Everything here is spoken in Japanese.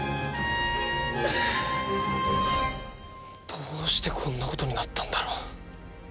どうしてこんな事になったんだろう。